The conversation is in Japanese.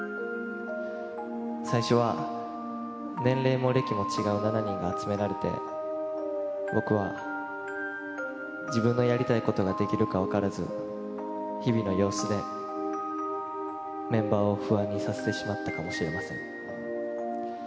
最初は年齢も歴も違う７人が集められて、僕は自分のやりたいことができるか分からず、日々の様子で、メンバーを不安にさせてしまったかもしれません。